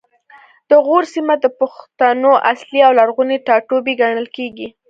د غور سیمه د پښتنو اصلي او لرغونی ټاټوبی ګڼل کیږي